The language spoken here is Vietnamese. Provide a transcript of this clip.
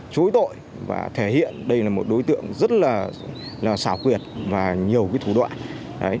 chối tội và thể hiện đây là một đối tượng rất là xảo quyệt và nhiều thủ đoạn